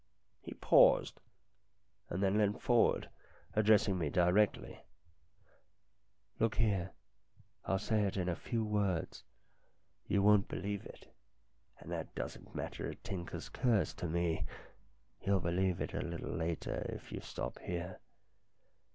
He paused, and then leant forward, addressing me directly. "Look here; I'll say it in a few words. You won't believe it, and that doesn't matter a tinker's curse to me. You'll believe it a little later if you stop here.